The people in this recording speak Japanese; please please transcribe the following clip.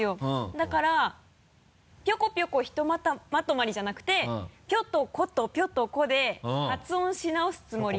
だから「ぴょこぴょこ」ひとまとまりじゃなくて「ぴょ」と「こ」と「ぴょ」と「こ」で発音し直すつもりで。